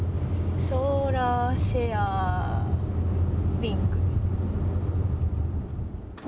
ソーラーシェアリング。